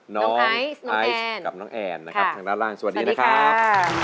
น้องไอซ์กับน้องแอนนะครับทางด้านล่างสวัสดีนะครับ